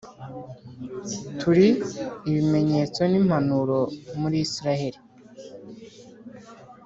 turi ibimenyetso n’impanuro muri Israheli,